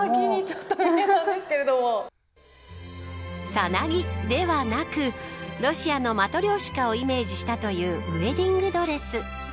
さなぎではなくロシアのマトリョーシカをイメージしたというウエディングドレス。